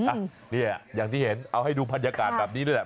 อ่ะเนี่ยอย่างที่เห็นเอาให้ดูบรรยากาศแบบนี้ด้วยแหละ